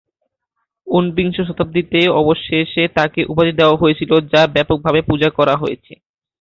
ঊনবিংশ শতাব্দীতে, অবশেষে তাকে উপাধি দেওয়া হয়েছিল, যা ব্যাপকভাবে পূজা করা হয়েছে।